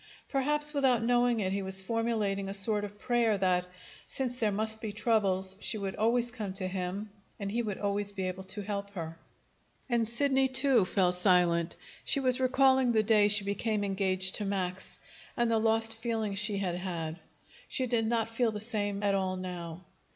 Perhaps, without knowing it, he was formulating a sort of prayer that, since there must be troubles, she would always come to him and he would always be able to help her. And Sidney, too, fell silent. She was recalling the day she became engaged to Max, and the lost feeling she had had. She did not feel the same at all now.